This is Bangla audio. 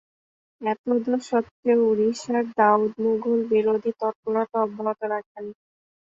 এতদসত্ত্বেও উড়িষ্যায় দাউদ মুগল-বিরোধী তৎপরতা অব্যাহত রাখেন।